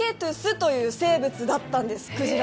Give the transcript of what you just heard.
という生物だったんですクジラ。